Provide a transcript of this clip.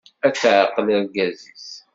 Ad taεqel argaz-is.